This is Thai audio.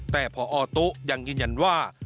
แต่พอตุ๊ยังยืนยันว่า